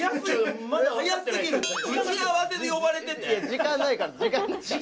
時間ないから時間ないから。